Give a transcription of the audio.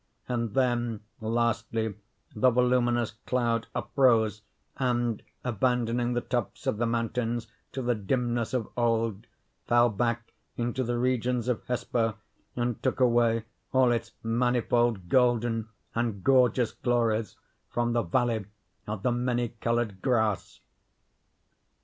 And then, lastly, the voluminous cloud uprose, and, abandoning the tops of the mountains to the dimness of old, fell back into the regions of Hesper, and took away all its manifold golden and gorgeous glories from the Valley of the Many Colored Grass.